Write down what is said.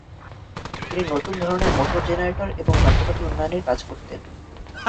তিনি নতুন ধরনের মোটর জেনারেটর এবং যন্ত্রপাতি উন্নয়নের কাজ করতেন।